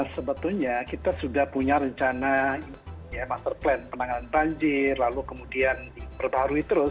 sebetulnya kita sudah punya rencana master plan penanganan banjir lalu kemudian diperbarui terus